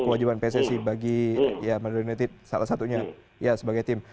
kewajiban pssi bagi ya menurut saya salah satunya sebagai tim